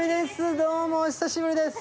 どうも、お久しぶりです。